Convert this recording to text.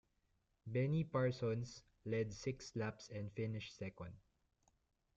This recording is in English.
Benny Parsons led six laps and finished second.